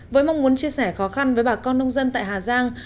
với mong muốn chia sẻ khó khăn với bà con nông dân tại hà giang